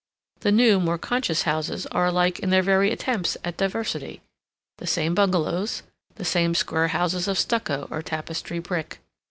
The new, more conscious houses are alike in their very attempts at diversity: the same bungalows, the same square houses of stucco or tapestry brick.